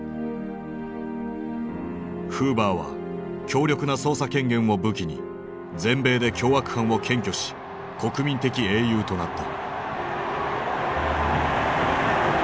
フーバーは強力な捜査権限を武器に全米で凶悪犯を検挙し国民的英雄となった。